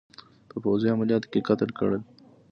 په پوځي عملیاتو کې قتل کړل.